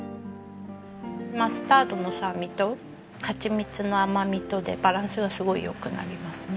マスタードの酸味とハチミツの甘みとでバランスがすごい良くなりますね。